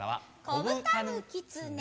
「こぶたぬきつねこ」！